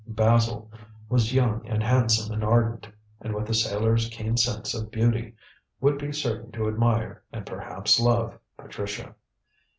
Basil was young and handsome and ardent, and with a sailor's keen sense of beauty, would be certain to admire, and perhaps love, Patricia.